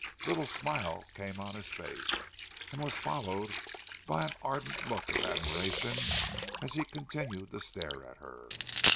A little smile came on his face, and was followed by an ardent look of admiration as he continued to stare at her.